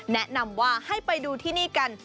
แนะนำว่าให้ไปดูที่นี่กัน